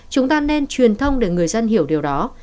chúng ta nên truyền thông để người dân hiểu điều đó